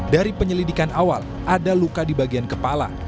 dari penyelidikan awal ada luka di bagian kepala